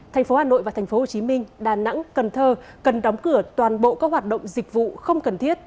thành phố hà nội và thành phố hồ chí minh đà nẵng cần thơ cần đóng cửa toàn bộ các hoạt động dịch vụ không cần thiết